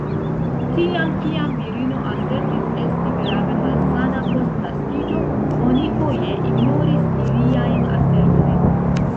Tiam, kiam virino asertis esti grave malsana post naskiĝo, oni foje ignoris iliajn asertojn.